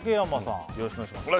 よろしくお願いします